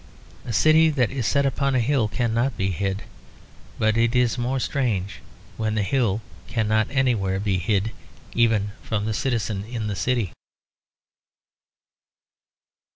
A city that is set upon a hill cannot be hid; but it is more strange when the hill cannot anywhere be hid, even from the citizen in the city.